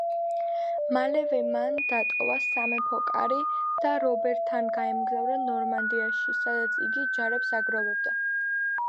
მალევე მან დატოვა სამეფო კარი და რობერთან გაემგზავრა ნორმანდიაში, სადაც იგი ჯარებს აგროვებდა.